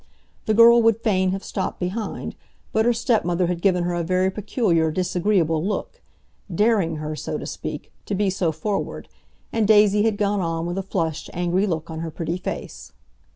The girl would fain have stopped behind, but her stepmother had given her a very peculiar, disagreeable look, daring her, so to speak, to be so forward, and Daisy had gone on with a flushed, angry look on her pretty face.